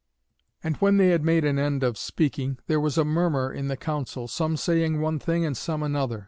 '" And when they had made an end of speaking, there was a murmur in the council, some saying one thing, and some another.